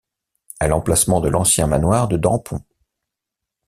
À l'emplacement de l'ancien manoir de Dampont.